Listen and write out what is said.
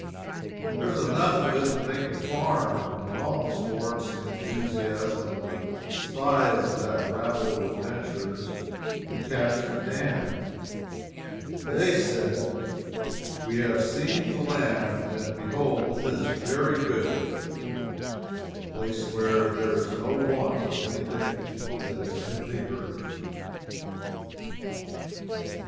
There is enough of it to make a farm. It almost warrants the enthusiasm of the spies of that rabble of adventurers who captured Dan. They said: "We have seen the land, and behold it is very good. A place where there is no want of any thing that is in the earth."